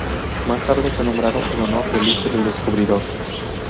Más tarde fue nombrado en honor del hijo del descubridor.